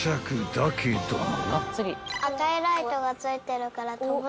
［だけども］